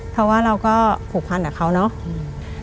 เพราะว่าเราก็ผูกพันกับเขาเนาะ